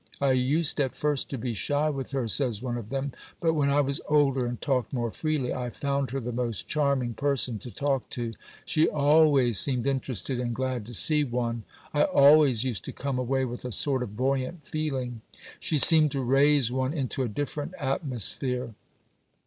"I used at first to be shy with her," says one of them, "but when I was older and talked more freely, I found her the most charming person to talk to. She always seemed interested and glad to see one. I always used to come away with a sort of buoyant feeling. She seemed to raise one into a different atmosphere."